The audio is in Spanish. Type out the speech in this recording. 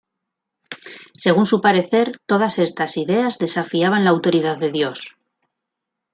Según su parecer, todas estas ideas desafiaban la autoridad de Dios.